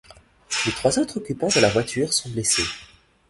Les trois autres occupants de la voiture sont blessés.